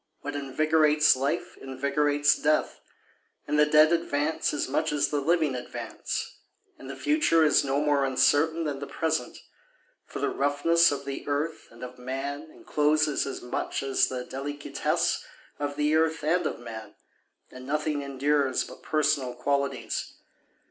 What invigorates life invigorates death, And the dead advance as much as the living advance, And the future is no more uncertain than the present, For the roughness of the earth and of man encloses as much as the delicatesse of the earth and of man, And nothing endures but personal qualities.